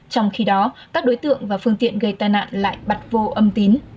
trong khi đó các đối tượng và phương tiện gây tai nạn lại bật vô âm tín